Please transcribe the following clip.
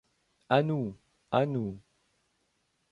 À nous! à nous !